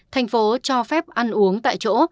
thành phố cho phép ăn uống tại chỗ